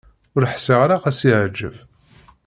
Ur ḥṣiɣ ara ad s-yeɛǧeb.